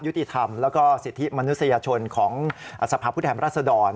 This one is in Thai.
ยุติธรรมและก็สิทธิมนุษยชนของสภาพพุทธแห่งราษดร